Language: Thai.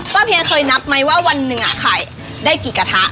เพียเคยนับไหมว่าวันหนึ่งขายได้กี่กระทะ